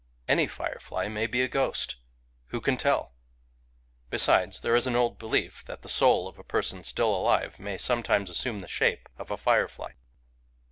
Any firefly may be a ghost — who can tell? Besides, there is an old belief that the soul of a person still alive may sometimes assume the shape of a firefly.